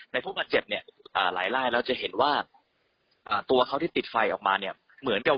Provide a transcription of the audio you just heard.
ผู้บาดเจ็บเนี่ยหลายลายเราจะเห็นว่าตัวเขาที่ติดไฟออกมาเนี่ยเหมือนกับ